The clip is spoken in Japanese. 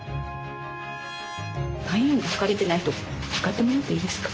体温測れてない人測ってもらっていいですか。